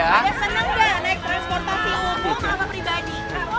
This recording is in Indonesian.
ada senang gak naik transportasi umum atau pribadi